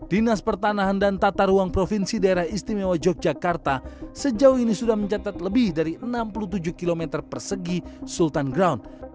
dinas pertanahan dan tata ruang provinsi daerah istimewa yogyakarta sejauh ini sudah mencatat lebih dari enam puluh tujuh km persegi sultan ground